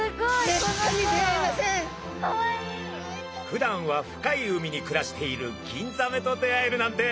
ふだんは深い海に暮らしているギンザメと出会えるなんて